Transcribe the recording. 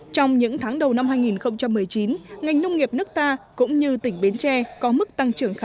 trong những tháng đầu năm hai nghìn một mươi chín ngành nông nghiệp nước ta cũng như tỉnh bến tre có mức tăng trưởng khá